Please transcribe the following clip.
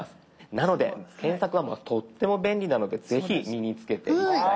なので検索はとっても便利なので是非身につけて頂きたい。